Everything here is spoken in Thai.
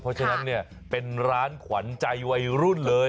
เพราะฉะนั้นเนี่ยเป็นร้านขวัญใจวัยรุ่นเลย